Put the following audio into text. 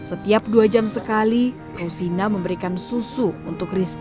hai setiap dua jam sekali rusina memberikan susu untuk rizky